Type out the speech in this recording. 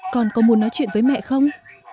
con có muốn nói chuyện với mẹ không